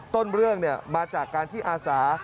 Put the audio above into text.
ต้นเรื่องมาจากการที่อาสา